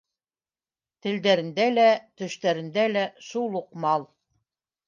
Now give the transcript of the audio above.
Телдәрендә лә, төштәрендә лә шул уҡ мал.